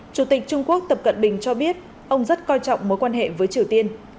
chủ tịch trung quốc tập cận bình cho biết ông rất coi trọng mối quan hệ với triều tiên